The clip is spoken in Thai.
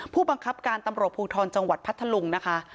ผู้บังคับการตำรวจภูทรจังหวัดพัทธลุงนะคะ